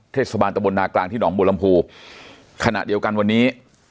เทศบาลตะบลนากลางที่หนองบัวลำพูขณะเดียวกันวันนี้